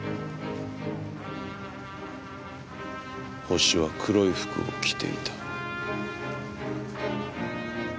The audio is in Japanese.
ホシは黒い服を着ていた。